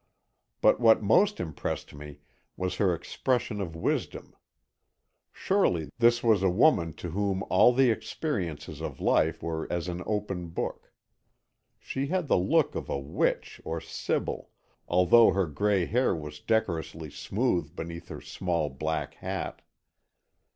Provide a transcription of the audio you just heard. But what most impressed me was her expression of wisdom. Surely, this was a woman to whom all the experiences of life were as an open book. She had the look of a witch or sibyl, although her gray hair was decorously smooth beneath her small black hat.